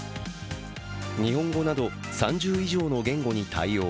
日本語など３０以上の言語に対応。